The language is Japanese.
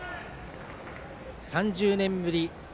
３０年ぶり